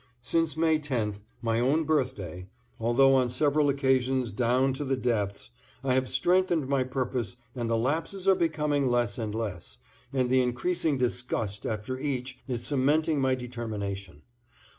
Since May 10th, my own birthday, although on several occasions down to the depths, I have strengthened my purpose and the lapses are becoming less and less, and the increasing disgust after each is cementing my determination.